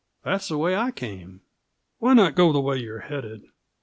that's the way I came. Why not go on the way you're headed?"